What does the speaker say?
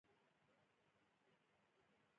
د اوپرا مشر د سندرو پر تخنيکي اړخ پوهېده.